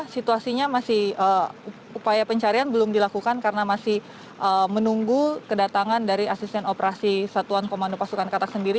situasinya masih upaya pencarian belum dilakukan karena masih menunggu kedatangan dari asisten operasi satuan komando pasukan katak sendiri